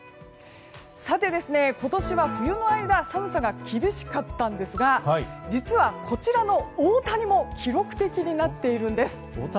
さて、今年は冬の間寒さが厳しかったんですが実はこちらの大谷も記録的になっているんです。